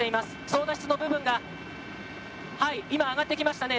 操舵室の部分が今、上がってきましたね。